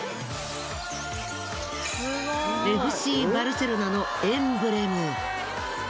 ＦＣバルセロナのエンブレム。